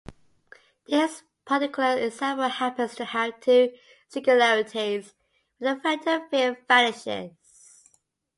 This particular example happens to have two "singularities", where the vector field vanishes.